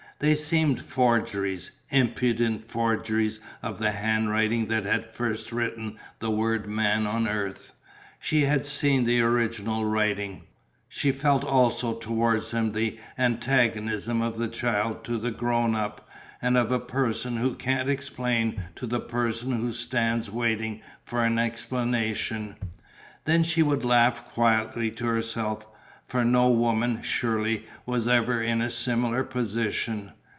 They seemed forgeries, impudent forgeries of the handwriting that had first written the word Man on the earth. She had seen the original writing. She felt also towards them the antagonism of the child to the grown up, and of the person who can't explain to the person who stands waiting for an explanation. Then she would laugh quietly to herself, for no woman, surely, was ever in a similar position.